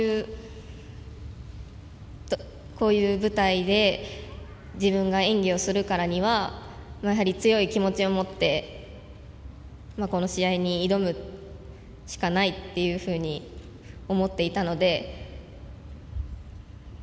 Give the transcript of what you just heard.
こういう舞台で自分が演技をするからにはやはり強い気持ちを持ってこの試合に挑むしかないっていうふうに思っていたので。